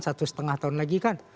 satu setengah tahun lagi kan